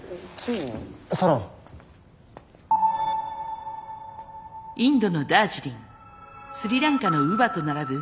インドのダージリンスリランカのウヴァと並ぶ